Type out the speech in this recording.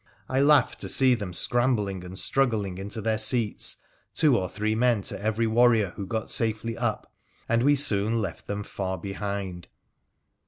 I laughed lo see them scrambling and struggling into their seats, two or three men to every warrior who got safely up, and we soon left them far behind.